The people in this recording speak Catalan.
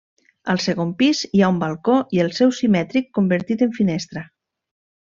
Al segon pis hi ha un balcó i el seu simètric convertit en finestra.